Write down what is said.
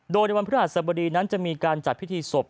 โดยในวันพฤหัสบดีนั้นจะมีการจัดพิธีศพ